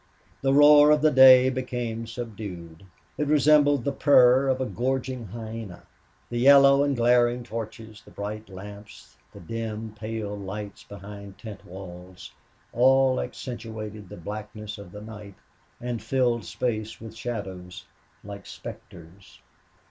The roar of the day became subdued. It resembled the purr of a gorging hyena. The yellow and glaring torches, the bright lamps, the dim, pale lights behind tent walls, all accentuated the blackness of the night and filled space with shadows, like specters.